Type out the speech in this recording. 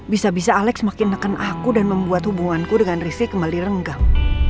bisa bisa alex makin nekan aku dan membuat hubunganku dengan rizky kembali renggang